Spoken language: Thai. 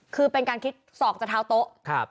คือเป็นการคิดสอกจากเท้าโต๊ะ